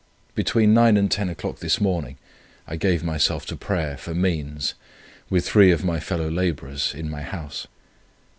Between nine and ten o'clock this morning I gave myself to prayer for means, with three of my fellow labourers, in my house.